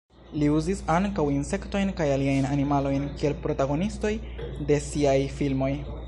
Li uzis ankaŭ insektojn kaj aliajn animalojn kiel protagonistoj de siaj filmoj.